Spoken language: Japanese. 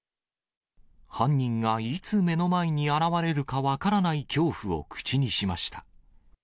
犯人がいつ目の前に現れるか分からない恐怖を口にしました。